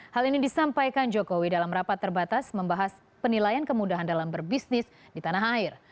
hal ini disampaikan jokowi dalam rapat terbatas membahas penilaian kemudahan dalam berbisnis di tanah air